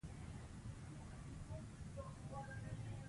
ځینې سپین ږیري وایي چې ملالۍ نورزۍ وه.